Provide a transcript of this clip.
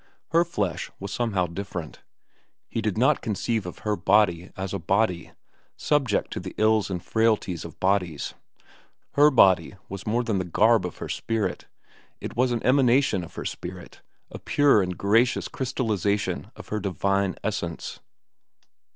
Her flesh was somehow different. He did not conceive of her body as a body, subject to the ills and frailties of bodies. Her body was more than the garb of her spirit. It was an emanation of her spirit, a pure and gracious crystallization of her divine essence.